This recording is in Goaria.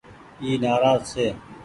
اي نآراز ڇي۔